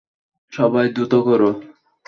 সবাই দ্রুত করো।